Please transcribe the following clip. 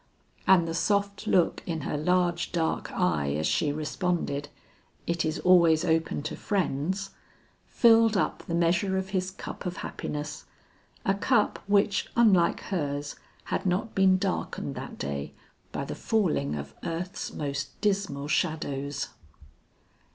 And the soft look in her large dark eye as she responded, "It is always open to friends," filled up the measure of his cup of happiness; a cup which unlike hers, had not been darkened that day by the falling of earth's most dismal shadows.